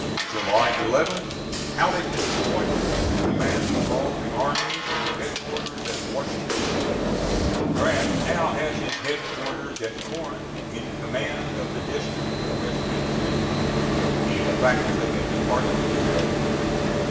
July 11th, Halleck is appointed to the command of all the armies, with headquarters at Washington. Grant now has his headquarters at Corinth in command of the District of West Tennessee. He is practically a department commander.